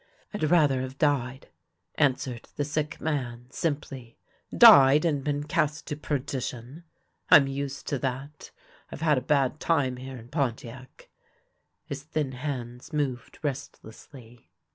" Fd rather have died," answered the sick man, simply. " Died, and been cast to perdition !"" Fm used to that ; Fve had a bad time here in Pontiac." His thin hands moved restlessly.